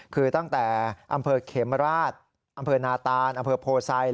คือตั้งแต่อำเผอร์เขมราศอำเผอร์นาตานอำเผอร์โพไซด์